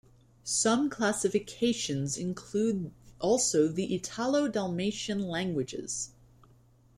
Some classifications include also the Italo-Dalmatian languages.